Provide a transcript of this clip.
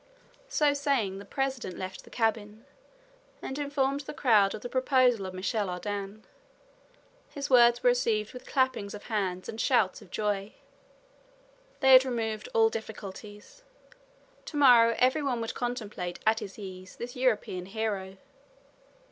So saying, the president left the cabin and informed the crowd of the proposal of Michel Ardan. His words were received with clappings of hands and shouts of joy. They had removed all difficulties. To morrow every one would contemplate at his ease this European hero.